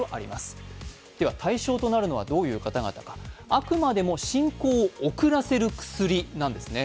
あくまでも進行を遅らせる薬なんですね。